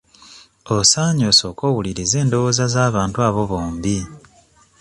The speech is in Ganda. Osaanye osooke owulirize endowooza z'abantu abo bombi.